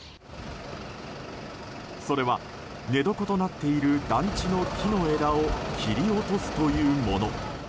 それは、寝床となっている団地の木の枝を切り落とすというもの。